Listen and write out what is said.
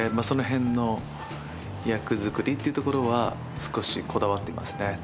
その辺の役作りっていうところは少しこだわっていますね